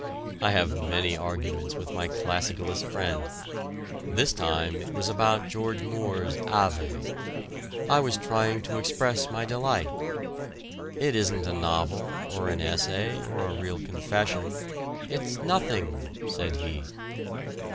I have many arguments with my classicalist friend. This time it was about George Moore's "Ave." I was trying to express my delight. "It isn't a novel, or an essay, or a real confession it's nothing," said he.